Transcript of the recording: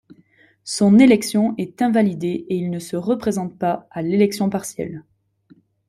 Son élection est invalidée et il ne se représente pas à l'élection partielle.